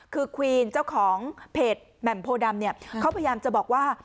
คือควีนเจ้าของเพจแหม่มโพดำเนี่ยเขาพยายามจะบอกว่า